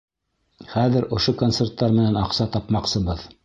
Хәҙер ошо концерттар менән аҡса тапмаҡсыбыҙ.